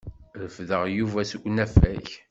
Refdeɣ Yuba seg unafag.